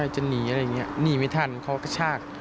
จะหนีอะไรอย่างนี้หนีไม่ทันเขากระชาก